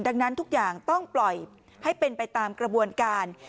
ดังนั้นทุกอย่างต้องปล่อยให้เป็นไปตามกระบวนการ